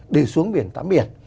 để xuống biển tắm biển